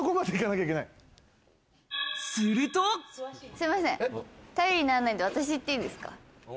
すいません、頼りにならないので私行っていいですか？